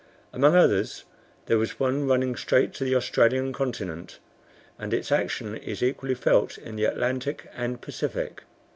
Among others there was one running straight to the Australian continent, and its action is equally felt in the Atlantic and Pacific.